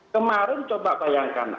kemarin coba bayangkan